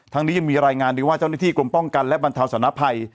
นี้ยังมีรายงานด้วยว่าเจ้าหน้าที่กรมป้องกันและบรรเทาสนภัย